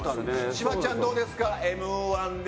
柴ちゃんどうですか？